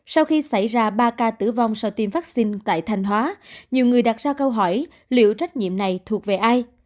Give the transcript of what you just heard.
sau khi xảy ra ba ca tử vong sau tiêm vaccine tại thanh hóa nhiều người đặt ra câu hỏi liệu trách nhiệm này thuộc về ai